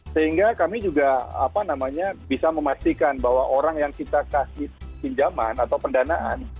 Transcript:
sehingga kami juga bisa memastikan bahwa orang yang kita kasih pinjaman atau pendanaan